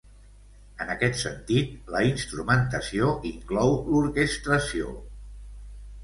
En aquest sentit, la instrumentació inclou l'orquestració.